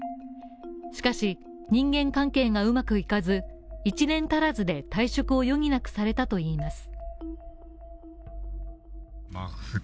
しかし、人間関係がうまくいかず１年足らずで退職を余儀なくされたといいます。